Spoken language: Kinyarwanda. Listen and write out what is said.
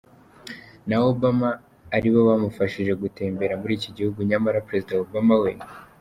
na Obama aribo bamufashije gutembera muri iki gihugu nyamara Perezida Obama we.